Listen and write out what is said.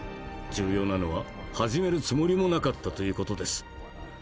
重要なのは始めるつもりもなかったという事です。